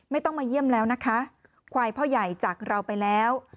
ไม่ต้องมาเยี่ยมแล้วนะคะควายพ่อใหญ่จากเราไปแล้ว